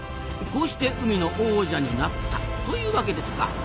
こうして海の「王者」になったというわけですか。